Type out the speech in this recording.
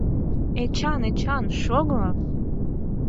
Эчан, Эчан, шого!